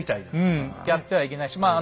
うんやってはいけないしまあ